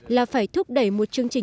là phải thúc đẩy một chương trình